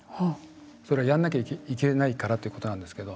それは、やんなきゃいけないからっていうことなんですけど。